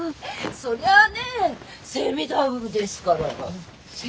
そりゃあねセミダブルですから。